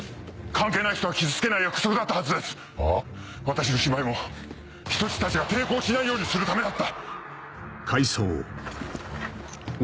私の芝居も人質たちが抵抗しないようにするためだった。